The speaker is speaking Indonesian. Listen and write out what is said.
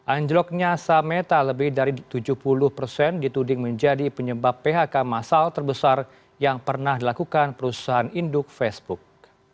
anjloknya sameta lebih dari tujuh puluh persen dituding menjadi penyebab phk masal terbesar yang pernah dilakukan perusahaan induk facebook